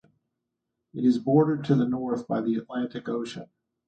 It is bordered to the north by the Atlantic Ocean.